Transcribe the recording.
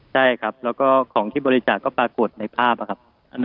ใช่ครับแล้วก็ของที่บริจาคก็ปรากฏในภาพครับ